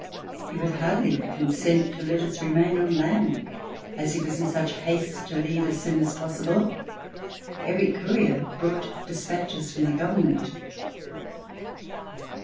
He would hardly consent to let us remain on land, as he was in such haste to leave as soon as possible. Every courier brought dispatches from the government.